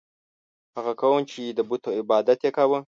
هغه قوم چې د بت عبادت یې کاوه.